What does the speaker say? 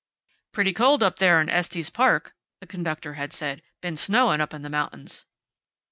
"Pretty cold up there in Estes Park," the conductor had said. "Been snowing up in the mountains."